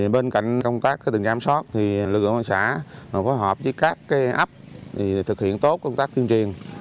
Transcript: bên cạnh công tác tình trạng kiểm soát lực lượng công an xã phối hợp với các ấp thực hiện tốt công tác tiên triền